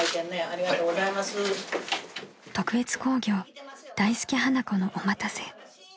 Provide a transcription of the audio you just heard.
［特別興行大助・花子の「おまたせ！」］